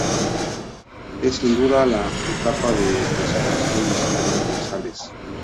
Es, sin duda, la etapa de consagración de Zacarías González.